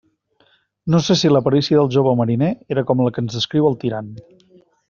No sé si la perícia del jove mariner era com la que ens descriu el Tirant.